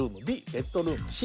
ベッドルーム「Ｃ」